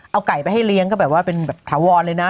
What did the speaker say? เอาไก่ไปให้เลี้ยงก็แบบว่าเป็นแบบถาวรเลยนะ